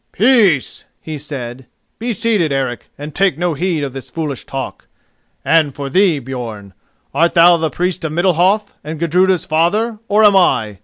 "Peace!" he said. "Be seated, Eric, and take no heed of this foolish talk. And for thee, Björn, art thou the Priest of Middalhof, and Gudruda's father, or am I?